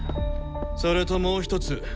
それともう一つ。